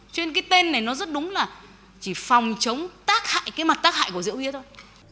cho nên cái tên này nó rất đúng là chỉ phòng chống tác hại cái mặt tác hại của rượu bia thôi